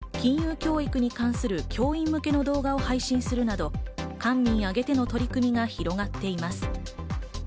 金融庁でも金融教育に関する教員向けの動画も配信するなど、官民あげての取り組みが広がっています。